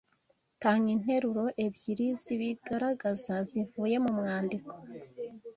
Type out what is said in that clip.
Tanga interuro ebyiri zibigaragaza zivuye mu mwandiko